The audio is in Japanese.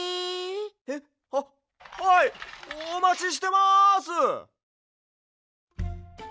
へっ？ははいおまちしてます！